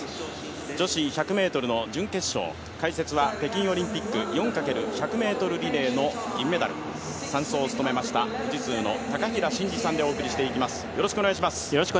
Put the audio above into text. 女子１００ｍの準決勝解説は北京オリンピック４×１００ｍリレーの銀メダル、伴走をつめました富士通の高平慎士さんで送りします。